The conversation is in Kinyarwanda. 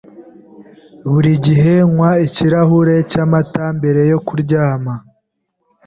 Buri gihe nywa ikirahuri cyamata mbere yo kuryama.